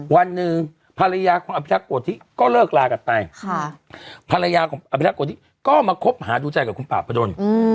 วันหนึ่งภรรยาของอภิรักษ์โกธิก็เลิกลากันไปภรรยาของอภิรักษ์โกธิก็มาคบหาดูใจกับคุณป่าประดน